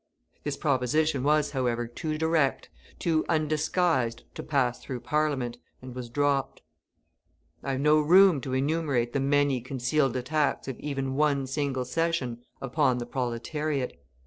This proposition was, however, too direct, too undisguised to pass through Parliament, and was dropped. I have no room to enumerate the many concealed attacks of even one single session upon the proletariat.